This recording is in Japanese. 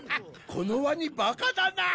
このワニバカだな！